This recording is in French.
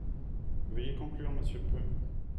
Veuillez conclure, monsieur Peu.